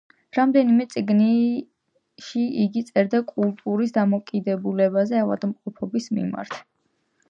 რამდენიმე წიგნში იგი წერდა კულტურის დამოკიდებულებაზე ავადმყოფობის მიმართ.